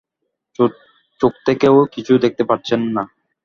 চোখ থেকেও কিছুই দেখতে পাচ্ছেন না।